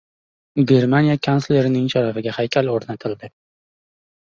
Germaniya kanslerining sharafiga haykal o‘rnatildi